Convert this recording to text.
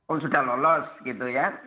oh sudah lolos gitu ya